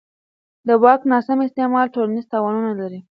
د واک ناسم استعمال ټولنیز تاوانونه لري